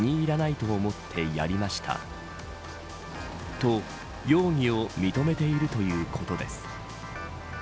と、容疑を認めているということです。